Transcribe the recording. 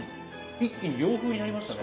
一気に洋風になりましたね。